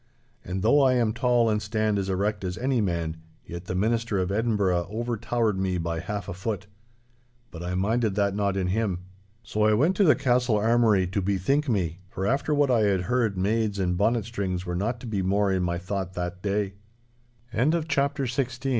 And though I am tall and stand as erect as any man, yet the Minister of Edinburgh overtowered me by half a foot. But I minded that not in him. So I went to the castle armoury to bethink me, for after what I had heard maids and bonnet strings were not